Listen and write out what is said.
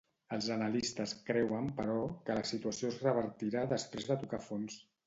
Els analistes creuen, però, que la situació es revertirà després de tocar fons.